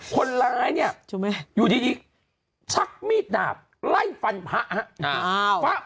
คนร้ายเนี่ยอยู่ดีชักมีดดาบไล่ฟันพระครับ